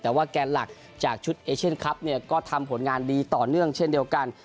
แต่ว่าแกนหลักจากชุดเอเชียนคลับเนี่ยก็ทำผลงานดีต่อเนื่องเช่นเดียวกัน